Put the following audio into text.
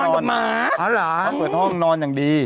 เขาเปิดห้องนอนอย่างดี